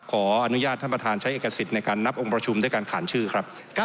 ขออนุญาตท่านประธานใช้เอกสิทธิ์ในการนับองค์ประชุมด้วยการขานชื่อครับ